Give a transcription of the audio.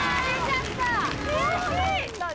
悔しい！